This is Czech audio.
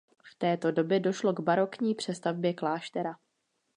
V této době došlo k barokní přestavbě kláštera.